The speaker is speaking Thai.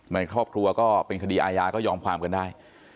ในครอบครัวก็เป็นคดีอาญาก็ยอมความกันได้